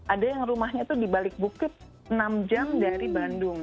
ada yang rumahnya itu di balik bukit enam jam dari bandung